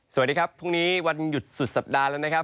สวัสดีครับพรุ่งนี้วันหยุดสุดสัปดาห์แล้วนะครับ